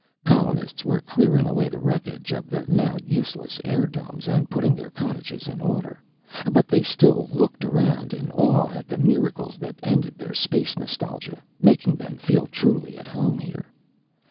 Colonists were clearing away the wreckage of the now useless airdomes, and putting their cottages in order. But they still looked around in awe at the miracles that ended their space nostalgia, making them feel truly at home here.